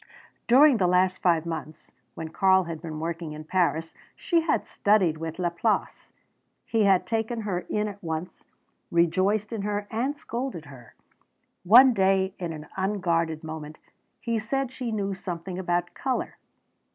During the last five months, when Karl had been working in Paris, she had studied with Laplace. He had taken her in at once, rejoiced in her and scolded her. One day in an unguarded moment he said she knew something about colour.